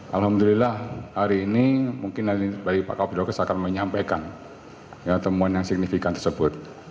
alhamdulillah hari ini mungkin nanti dari pak kapidokes akan menyampaikan temuan yang signifikan tersebut